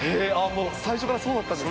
最初からそうだったんですか。